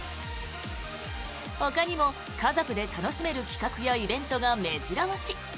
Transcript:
ほかにも、家族で楽しめる企画やイベントが目白押し。